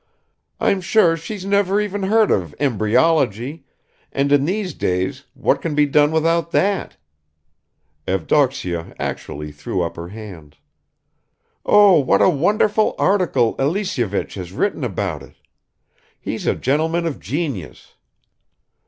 I'm sure she's never even heard of embryology and in these days what can be done without that? (Evdoksya actually threw up her hands.) Oh, what a wonderful article Elisyevich has written about it! He's a gentleman of genius.